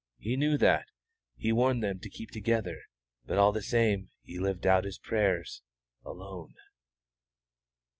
He knew that, He warned them to keep together; but all the same He lived out His prayers alone."